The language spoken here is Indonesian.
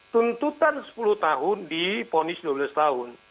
tuntutan sepuluh tahun diponis dua belas tahun